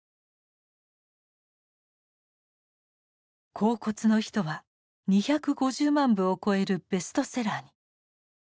「恍惚の人」は２５０万部を超えるベストセラーに。